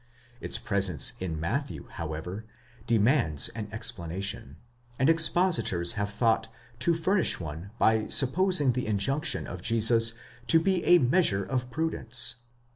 Its presence in Matthew, however, demands an explanation, and expositors have thought to furnish one by supposing the injunction of Jesus to be a measure of prudence."